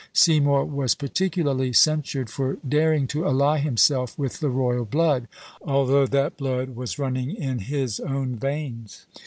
Seymour was particularly censured for daring to ally himself with the royal blood, although that blood was running in his own veins.